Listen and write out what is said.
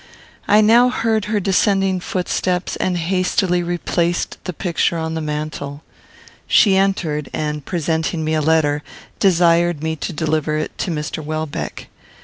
I now heard her descending footsteps, and hastily replaced the picture on the mantel. She entered, and, presenting me a letter, desired me to deliver it to Mr. Welbeck.